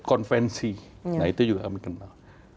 konvensi nah itu juga kami kenal